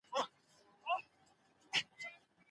نظري ټولنپوهنه غواړي چې د ټولنیزو واقعیتونو علتونه کشف کړي.